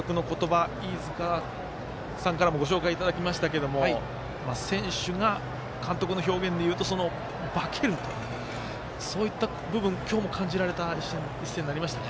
あの小菅監督の言葉飯塚さんからもご紹介いただきましたけれども選手が監督の表現で言うと化けると、そういった部分今日も感じられた一戦になりましたね。